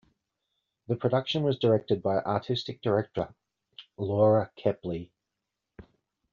The production was directed by Artistic Director Laura Kepley.